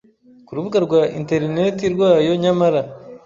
ku rubuga rwa interineti rwayo Nyamara